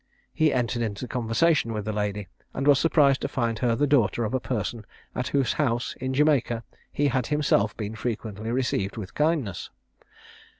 He entered into conversation with the lady, and was surprised to find her the daughter of a person at whose house, in Jamaica, he had himself been frequently received with kindness.